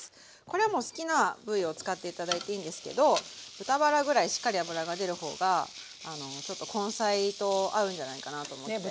これはもう好きな部位を使って頂いていいんですけど豚バラぐらいしっかり脂が出る方があのちょっと根菜と合うんじゃないかなと思って。